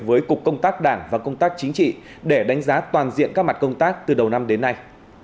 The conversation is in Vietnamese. với cục công tác đảng và công tác chính trị để đánh giá toàn diện các mặt công tác từ đầu năm đến nay